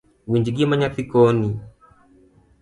Winj gima nyathii koni